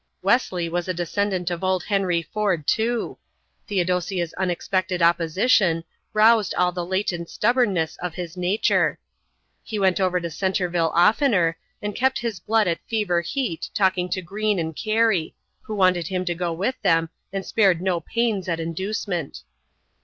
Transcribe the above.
Wesley was a descendant of old Henry Ford too. Theodosia's unexpected opposition roused all the latent stubbornness of his nature. He went over to Centreville oftener, and kept his blood at fever heat talking to Greene and Cary, who wanted him to go with them and spared no pains at inducement.